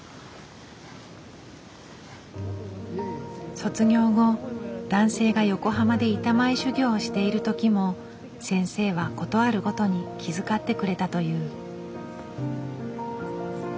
卒業後男性が横浜で板前修業をしている時も先生はことあるごとに気遣ってくれたという。